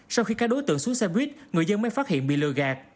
sau khi các đối tượng xuống xe buýt người dân mới phát hiện bị lừa gạt